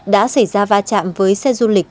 đã xảy ra va chạm với xe du lịch